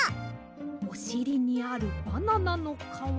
おしりにあるバナナのかわ。